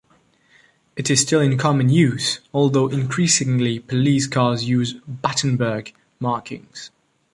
It is still in common use, although increasingly police cars use Battenburg markings.